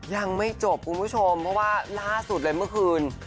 ยังไม่จบคุณผู้ชมเพราะว่าล่าสุดเลยเมื่อคืน